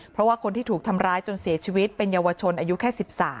เพราะว่าคนที่ถูกทำร้ายจนเสียชีวิตเป็นเยาวชนอายุแค่๑๓